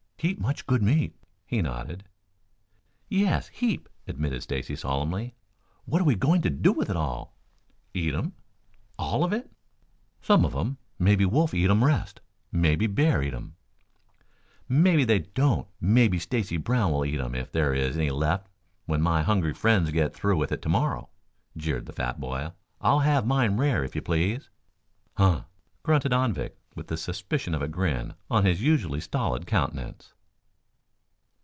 "Heap much good meat," he nodded. "Yes, heap," admitted Stacy solemnly. "What are you going to do with it all?" "Eat um." "All of it?" "Some of um. Mebby wolf eat um rest. Mebby bear eat um." "Mebby they don't. Mebby Stacy Brown will eat um if there is any left when my hungry friends get through with it to morrow," jeered the fat boy. "I'll have mine rare, if you please." "Huh!" grunted Anvik with the suspicion of a grin on his usually stolid countenance.